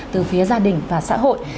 từ phía gia đình và xã hội